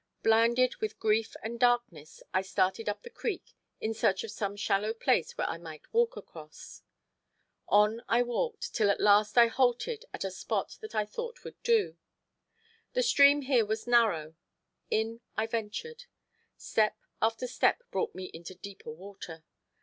Blinded with grief and darkness I started up the creek in search of some shallow place where I might walk across. On I walked till at last I halted at a spot that I thought would do. The stream here was narrow; in I ventured. Step after step brought me into deeper water.